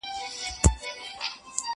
که دي قسمته ازلي وعده پښېمانه سوله،